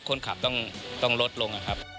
คนขับต้องลดลง